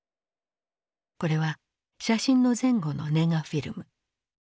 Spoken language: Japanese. これは写真の前後のネガフィルム。